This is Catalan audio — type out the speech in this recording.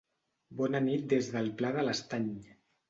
Bona nit des del Pla de l'Estany.